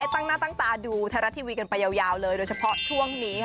ตั้งหน้าตั้งตาดูไทยรัฐทีวีกันไปยาวเลยโดยเฉพาะช่วงนี้